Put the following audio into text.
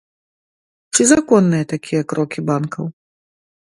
Ці законныя такія крокі банкаў?